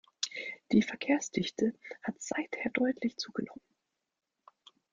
Die Verkehrsdichte hat seither deutlich zugenommen.